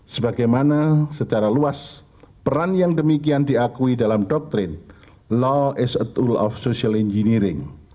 sebagaimana secara luas peran yang demikian diakui dalam doktrin law is a tool of social engineering